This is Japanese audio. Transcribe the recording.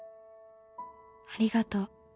「ありがとう。